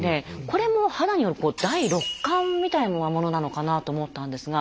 これも肌による「第六感」みたいなものなのかなと思ったんですが。